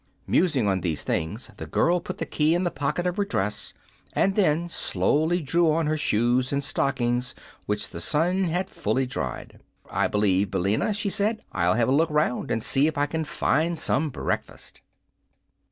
Musing on these things the girl put the key in the pocket of her dress and then slowly drew on her shoes and stockings, which the sun had fully dried. "I b'lieve, Billina," she said, "I'll have a look 'round, and see if I can find some breakfast."